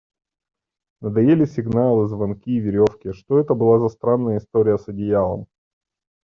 Надоели сигналы, звонки, веревки; Что это была за странная история с одеялом?